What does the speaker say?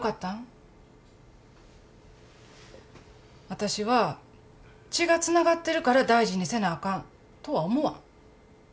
私は血がつながってるから大事にせなあかんとは思わん。